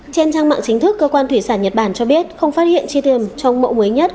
trên trang mạng chính thức cơ quan thủy sản nhật bản cho biết không phát hiện chi tiêu trong mẫu mới nhất